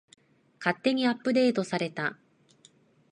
勝手にアップデートされた